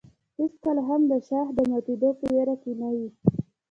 هېڅکله هم د شاخ د ماتېدو په ویره کې نه وي.